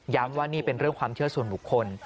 ว่านี่เป็นเรื่องความเชื่อส่วนบุคคล